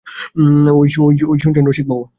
ঐ শুনছেন রসিকবাবু?